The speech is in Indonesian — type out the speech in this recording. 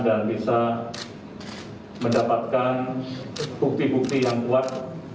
dan bisa mendapatkan bukti bukti yang kuat